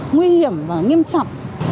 nguy hiểm và nghiêm trọng